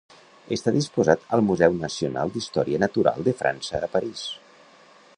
Està dipositat al Museu Nacional d'Història Natural de França a París.